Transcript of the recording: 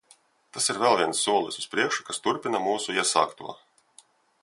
Tas ir vēl viens solis uz priekšu, kas turpina mūsu iesākto.